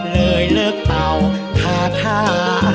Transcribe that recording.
เลยเลิกเป่าทา